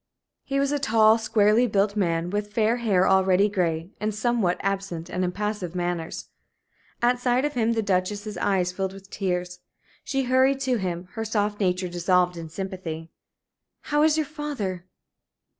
He was a tall, squarely built man, with fair hair already gray, and somewhat absent and impassive manners. At sight of him the Duchess's eyes filled with tears. She hurried to him, her soft nature dissolved in sympathy. "How is your father?"